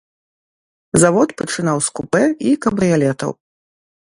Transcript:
Завод пачынаў з купэ і кабрыялетаў.